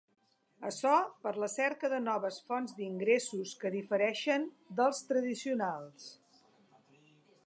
Açò per la cerca de noves fonts d'ingressos que difereixen dels tradicionals.